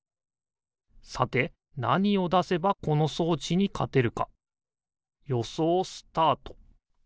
さてなにをだせばこのそうちにかてるかよそうスタート！